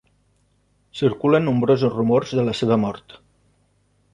Circulen nombrosos rumors de la seva mort.